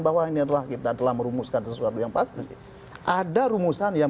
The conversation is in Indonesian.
bukan yang seperti yang